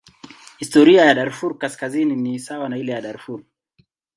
Historia ya Darfur Kaskazini ni sawa na ile ya Darfur.